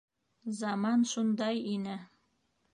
Заман шундай ине.